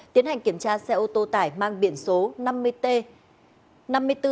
tiến hành kiểm tra xe ô tô tải mang biển số năm mươi t